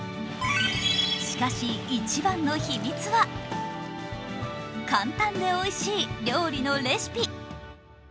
しかし、一番の秘密は、簡単でおいしい料理のレシピ。